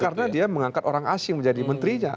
karena dia mengangkat orang asing menjadi menterinya